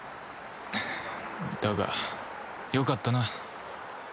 だがよかったな